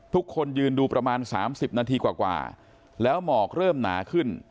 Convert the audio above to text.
ทุกคนยืนดูประมาณ๓๐นาทีกว่าแล้วหมอกเริ่มหนาขึ้น